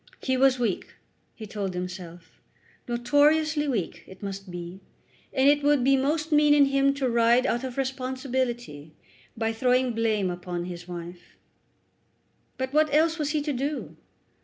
He was weak, he told himself; notoriously weak, it must be; and it would be most mean in him to ride out of responsibility by throwing blame upon his wife. But what else was he to do?